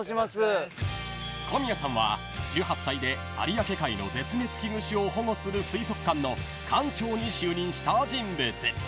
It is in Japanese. ［小宮さんは１８歳で有明海の絶滅危惧種を保護する水族館の館長に就任した人物］